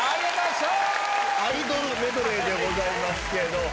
アイドルメドレーでございますけれど。